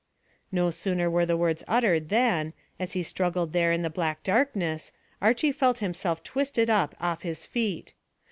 No sooner were the words uttered than, as he struggled there in the black darkness, Archy felt himself twisted up off his feet.